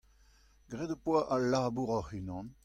Graet ho poa al labour hoc'h-unan.